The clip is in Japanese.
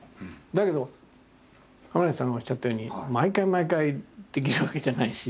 だけど亀梨さんがおっしゃったように毎回毎回できるわけじゃないし。